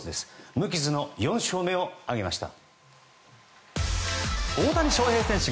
無傷の４勝目を挙げました。